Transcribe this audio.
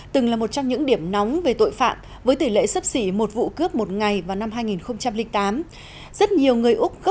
từng là một trong những điểm nóng về tội phạm với tỷ lệ sấp xỉ một vụ kiểm tra